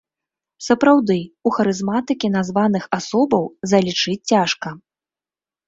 Сапраўды, у харызматыкі названых асобаў залічыць цяжка.